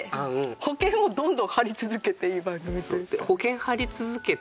保険をどんどん張り続けていい番組というか。